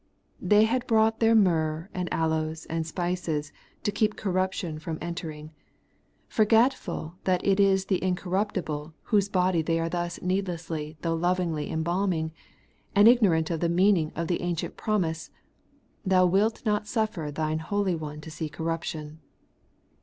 They had brought their myrrh and aloes and spices to keep corruption from entering ; forget What the Resurrection of the Substitute has done. 129 ful that it is the Incorruptible whose body they are thus needlessly though lovingly embalming, and igno rant of the meaning of the ancient promise, ' Thou wilt not suffer Thine Holy One to see corruption.'